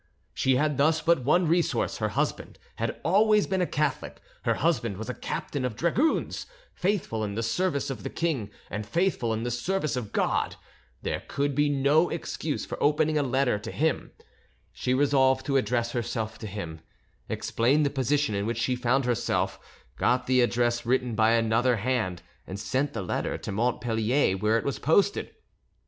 She had thus but one resource: her husband had always been a Catholic; her husband was a captain of dragoons, faithful in the service of the king and faithful in the service of God; there could be no excuse for opening a letter to him; she resolved to address herself to him, explained the position in which she found herself, got the address written by another hand, and sent the letter to Montpellier, where it was posted.